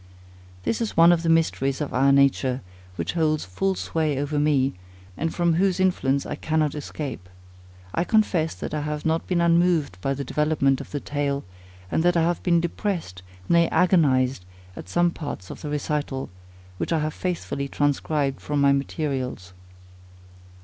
This is one of the mysteries of our nature, which holds full sway over me, and from whose influence I cannot escape. I confess, that I have not been unmoved by the development of the tale; and that I have been depressed, nay, agonized, at some parts of the recital, which I have faithfully transcribed from my materials.